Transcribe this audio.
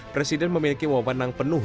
presiden memiliki wawanan penuh